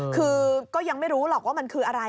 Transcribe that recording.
คือก็ยังไม่รู้หรอกว่ามันคืออะไร